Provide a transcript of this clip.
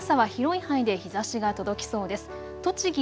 あすの朝は広い範囲で日ざしが届きそうです。